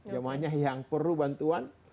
jemaahnya yang perlu bantuan